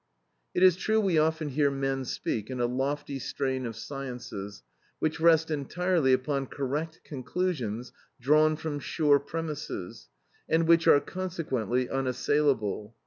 It is true we often hear men speak in a lofty strain of sciences which rest entirely upon correct conclusions drawn from sure premises, and which are consequently unassailable.